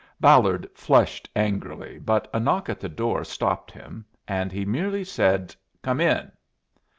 Ballard flushed angrily, but a knock at the door stopped him, and he merely said, "Come in."